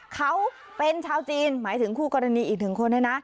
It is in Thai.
เขาเป็นชาวจีนหมายถึงคู่กรณีอีกหนึ่งคนเนี่ยนะ